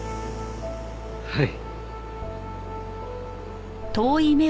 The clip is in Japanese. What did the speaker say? はい。